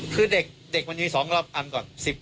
คือเด็กมันมี๒รอบอันก่อน